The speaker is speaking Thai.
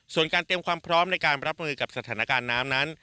ส่วนการเตรียมความพร้อมในการรับมือกับสถานการณ์น้ำนั้น